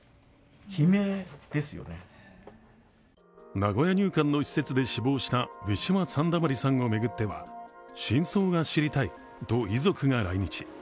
名古屋入管の施設で死亡したウィシュマ・サンダマリさんを巡っては真相が知りたいと遺族が来日。